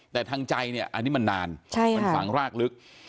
แต่ทางใจเนี่ยอันนี้มันนานมันฝังรากลึก